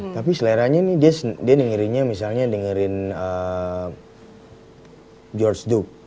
tapi seleranya nih dia dengerinnya misalnya dengerin george dube